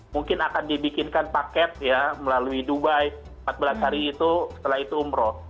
mungkin akan dibikinkan paket ya melalui dubai empat belas hari itu setelah itu umroh